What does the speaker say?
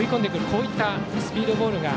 こういったスピードボールが。